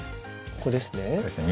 ここですね。